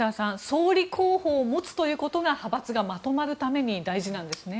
総理候補を持つということが派閥がまとまるために大事なんですね。